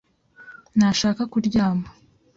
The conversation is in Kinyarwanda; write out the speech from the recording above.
ntashaka kuryama.